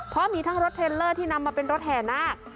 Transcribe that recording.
เพราะมีทั้งรถเทลเลอร์ที่นำมาเป็นรถแห่นาค